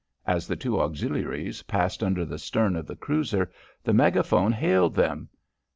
As the two auxiliaries passed under the stern of the cruiser, the megaphone hailed them.